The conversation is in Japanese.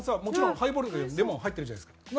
もちろんハイボールにレモン入ってるじゃないですか。